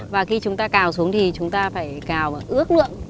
và khi chúng ta cào xuống thì chúng ta phải cào ước lượng